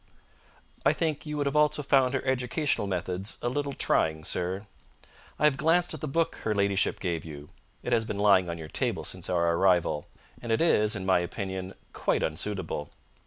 "I think you would also have found her educational methods a little trying, sir. I have glanced at the book her ladyship gave you it has been lying on your table since our arrival and it is, in my opinion, quite unsuitable.